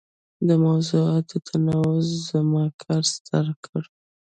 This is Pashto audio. د موضوعاتو تنوع زما کار ستر کړ.